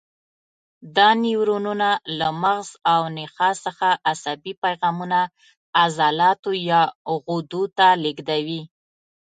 دا نیورونونه له مغز او نخاع څخه عصبي پیغامونه عضلاتو یا غدو ته لېږدوي.